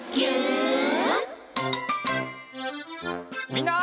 みんな。